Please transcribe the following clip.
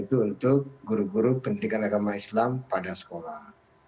itu untuk guru guru pendidikan agama islam pada sekolah